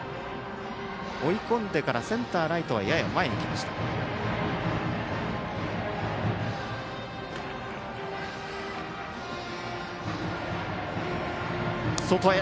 追い込んでからセンター、ライトはやや前に来ました。外へ。